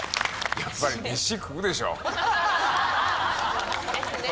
やっぱり飯食うでしょ。ですね。